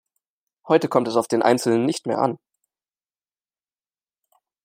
Heute kommt es auf den einzelnen nicht mehr an.